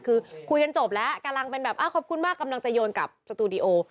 คือคุยกันจบแล้วกำลังเป็นแบบขอบคุณมากกำลังจะโยนกับสตูดิโอ